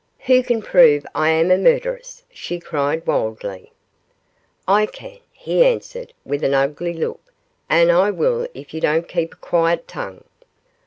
'Who can prove I am a murderess?' she cried, wildly. 'I can,' he answered, with an ugly look; 'and I will if you don't keep a quiet tongue.